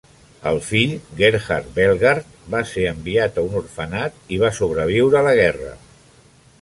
El fill, Gerhard Belgardt, va ser enviat a un orfenat i va sobreviure a la guerra.